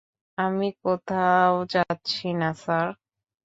আমি কোথাও যাচ্ছি না, স্যার।